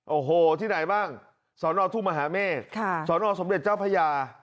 โอ้โหที่ไหนบ้างสนทุ่งมหาเมฆสนสมเด็จเจ้าพญา